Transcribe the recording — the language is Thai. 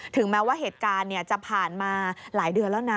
แม้ว่าเหตุการณ์จะผ่านมาหลายเดือนแล้วนะ